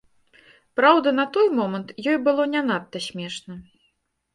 Праўда, на той момант ёй было не надта смешна.